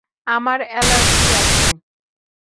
আমার এলার্জি আছে।